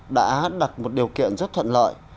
đã đặt một điều kiện rất thuận lợi